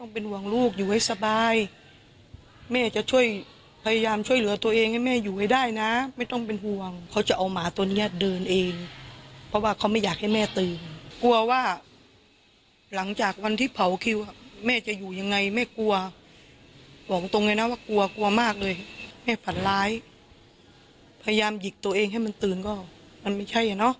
พยายามหยิกตัวเองให้มันตื่นก็มันไม่ใช่อ่ะเนาะมันไม่อยากหลอกตัวเองอ่ะเนาะ